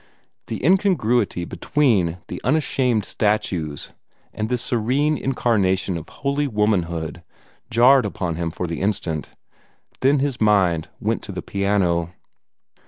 The incongruity between the unashamed statues and this serene incarnation of holy womanhood jarred upon him for the instant. Then his mind went to the piano.